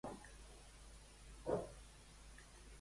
Quina quantitat de persones es contagien per any?